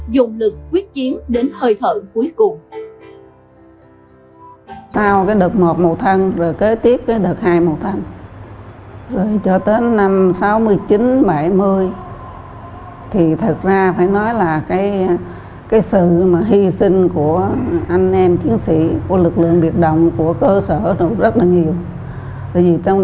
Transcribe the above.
dùng lực quyết chiến đến hơi thợ cuối cùng